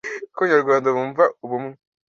Uko abanyarwanda bumva ubumwe